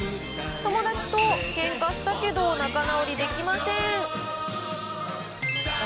友達とけんかしたけど、仲直りできません。